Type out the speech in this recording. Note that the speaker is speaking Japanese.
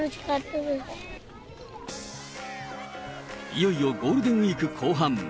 いよいよゴールデンウィーク後半。